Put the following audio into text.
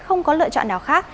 không có lựa chọn nào khác